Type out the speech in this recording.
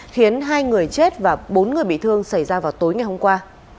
khiến hai người chết và bốn người bị thương xảy ra vào tối ngày hôm qua